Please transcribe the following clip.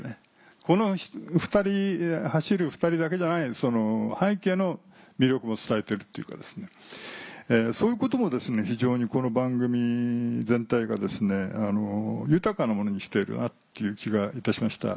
この走る２人だけじゃない背景の魅力も伝えてるっていうかそういうことも非常にこの番組全体が豊かなものにしているなっていう気がいたしました。